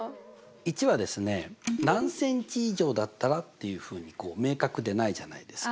①はですね何センチ以上だったらっていうふうに明確でないじゃないですか。